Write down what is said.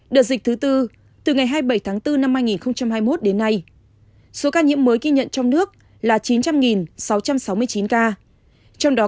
đợt dịch thứ tư từ ngày hai mươi bảy tháng bốn năm hai nghìn hai mươi một đến nay số ca nhiễm mới ghi nhận trong nước là chín trăm linh sáu trăm sáu mươi chín ca